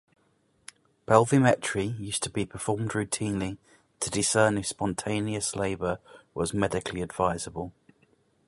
Pelvimetry used to be performed routinely to discern if spontaneous labour was medically advisable.